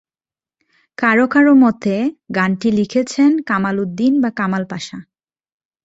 কারো কারো মতে, গানটি লিখেছেন কামাল উদ্দিন বা কামাল পাশা।